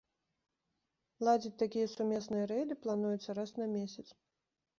Ладзіць такія сумесныя рэйды плануецца раз на месяц.